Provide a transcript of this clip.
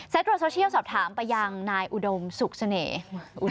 ตรวจโซเชียลสอบถามไปยังนายอุดมสุขเสน่ห์